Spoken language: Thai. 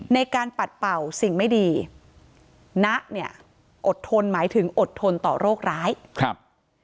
ในการปัดเป่าสิ่งไม่ดีณะเนี่ยอดทนหมายถึงอดทนต่อโรคร้ายครับ